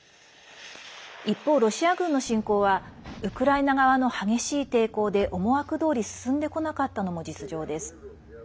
一方、ロシア軍の侵攻はウクライナ側の激しい抵抗で思惑どおり進んでこなかったのも実情です。